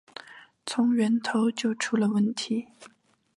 从源头就出了问题